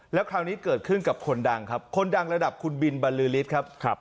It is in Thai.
แล้วคราวนี้เกิดขึ้นกับคนดังครับคนดังระดับคุณบินบรรลือฤทธิ์ครับ